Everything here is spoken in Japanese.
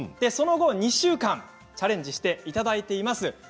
その後、２週間チャレンジしていただいています。